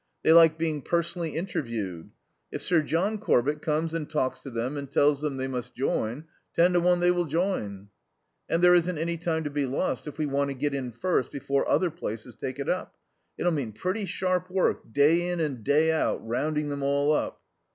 They like being personally interviewed. If Sir John Corbett comes and talk to them and tells them they must join, ten to one they will join. "And there isn't any time to be lost if we want to get in first before other places take it up. It'll mean pretty sharp work, day in and day out, rounding them all up."